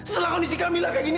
setelah kondisi kamila kayak gini